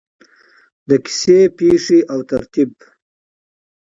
د کیسې پیښې او ترتیب: